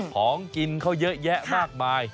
ของกินเขาเยอะแยะมากมาย